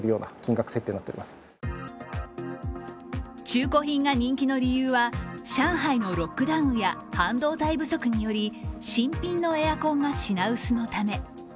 中古品が人気の理由は上海のロックダウンや半導体不足により、新品のエアコンが品薄のため。